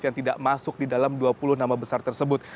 yang tidak masuk di dalam dua puluh nama besar tersebut